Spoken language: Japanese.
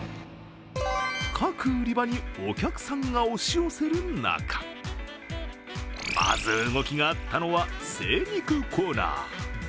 各売り場にお客さんが押し寄せる中まず動きがあったのは精肉コーナー。